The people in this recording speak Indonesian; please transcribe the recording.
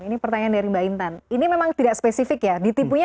ini pertanyaan dari mbak intan ini memang tidak spesifik ya ditipunya